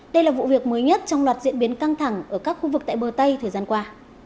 đây là vụ việc mới nhất trong loạt diễn biến căng thẳng ở các khu vực tại bờ tây thời gian qua